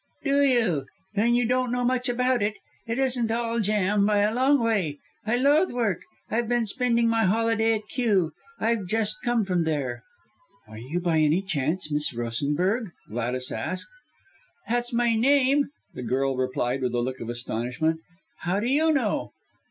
"Do you! Then you don't know much about it. It isn't all jam by a long way. I loathe work. I've been spending my holiday at Kew. I've just come from there." "Are you by any chance Miss Rosenberg?" Gladys asked. "That's my name," the girl replied with a look of astonishment. "How do you know?"